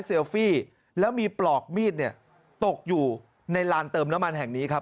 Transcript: ฟี่แล้วมีปลอกมีดเนี่ยตกอยู่ในลานเติมน้ำมันแห่งนี้ครับ